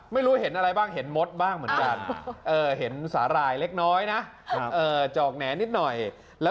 ไม่รู้เห็นอะไรบ้างเห็นมดบ้างเหมือนกันเห็นสารายเล็กน้อยนะ